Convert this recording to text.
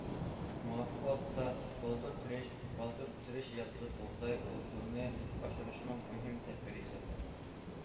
مۇۋاپىق ۋاقىتتا بالدۇر تېرىش: بالدۇر تېرىش يازغى بۇغداي ھوسۇلىنى ئاشۇرۇشنىڭ مۇھىم تەدبىرى ھېسابلىنىدۇ.